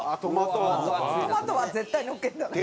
トマトは絶対のっけるんだね。